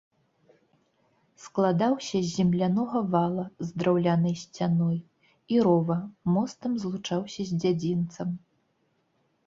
Складаўся з землянога вала з драўлянай сцяной і рова, мостам злучаўся з дзядзінцам.